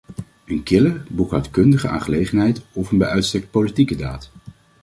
Een kille, boekhoudkundige aangelegenheid of een bij uitstek politieke daad?